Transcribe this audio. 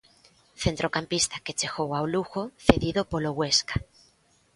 Centrocampista que chegou ao Lugo cedido polo Huesca.